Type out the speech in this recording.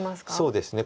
そうですね。